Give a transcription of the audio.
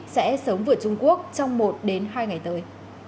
sẽ sớm vượt trung quốc trong một đến hai ngày tới